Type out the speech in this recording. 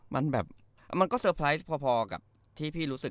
มันแบบมันก็เซอร์ไพรส์พอกับที่พี่รู้สึก